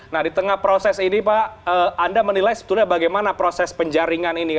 nah di tengah proses ini pak anda menilai sebetulnya bagaimana proses penjaringan ini